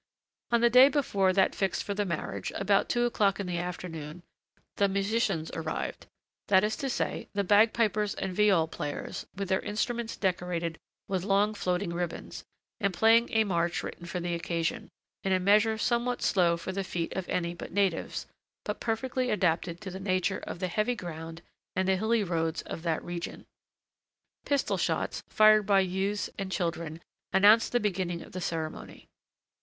On the day before that fixed for the marriage, about two o'clock in the afternoon, the musicians arrived, that is to say, the bagpipers and viol players, with their instruments decorated with long floating ribbons, and playing a march written for the occasion, in a measure somewhat slow for the feet of any but natives, but perfectly adapted to the nature of the heavy ground and the hilly roads of that region. Pistol shots, fired by youths and children, announced the beginning of the ceremony.